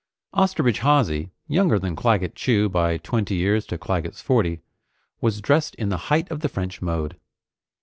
Osterbridge Hawsey, younger than Claggett Chew by twenty years to Claggett's forty, was dressed in the height of the French mode.